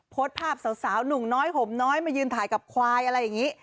โพสต์ภาพสาวหนุ่มน้อยห่มน้อยมายืนถ่ายกับควายอะไรอย่างนี้